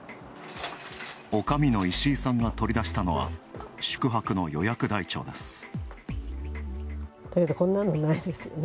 おかみの石井さんが取り出したのは、宿泊の予約台帳です。